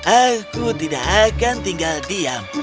aku tidak akan tinggal diam